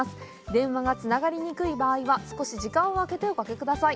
電話がつながりにくい場合は少し時間をあけておかけください。